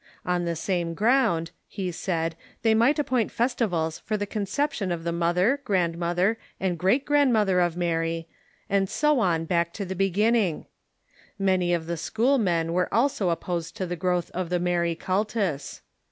On the same ground, be said, Protests f .,•. i .• 1 r .1 .• r xi they might ajipomt festivals for the conception oi the mother, grandmother, and great grantl mother of Mary, and so on back to the beginning. Many of the schoolmen Avere also opposed to the growth of the Mary cultus.